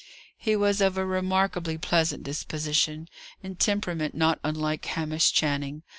He was of a remarkably pleasant disposition, in temperament not unlike Hamish Channing.